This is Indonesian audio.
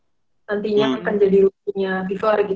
nantinya akan jadi rookie nya fever gitu